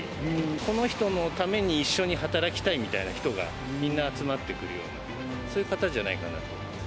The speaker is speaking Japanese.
この人のために一緒に働きたいみたいな人がみんな集まってくるような、そういう方じゃないかなと思います。